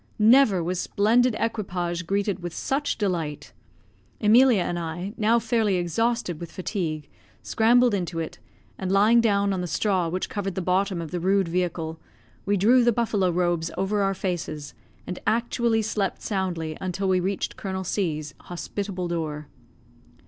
Never was splendid equipage greeted with such delight. Emilia and I, now fairly exhausted with fatigue, scrambled into it, and lying down on the straw which covered the bottom of the rude vehicle, we drew the buffalo robes over our faces, and actually slept soundly until we reached Colonel C 's hospitable door.